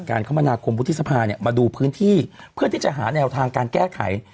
คมนาคมวุฒิสภาเนี่ยมาดูพื้นที่เพื่อที่จะหาแนวทางการแก้ไข